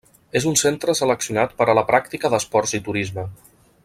És un centre seleccionat per a la pràctica d'esports i turisme.